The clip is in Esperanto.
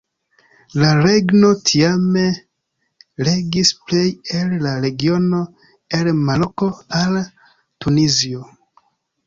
La regno tiame regis plej el la regiono el Maroko al Tunizio.